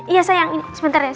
iya sayang sebentar ya sayang